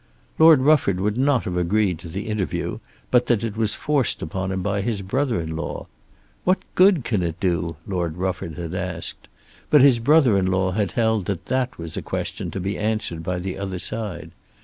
Lord Rufford would not have agreed to the interview but that it was forced upon him by his brother in law. "What good can it do?" Lord Rufford had asked. But his brother in law had held that that was a question to be answered by the other side.